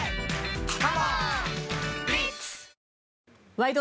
「ワイド！